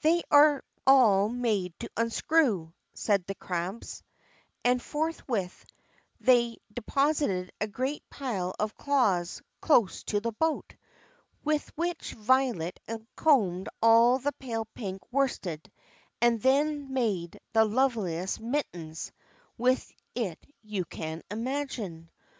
"They are all made to unscrew," said the crabs; and forthwith they deposited a great pile of claws close to the boat, with which Violet uncombed all the pale pink worsted, and then made the loveliest mittens with it you can imagine.